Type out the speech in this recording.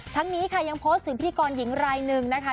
ทั้งนี้ค่ะยังโพสต์ถึงพิธีกรหญิงรายหนึ่งนะคะ